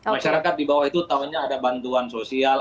masyarakat di bawah itu tahunya ada bantuan sosial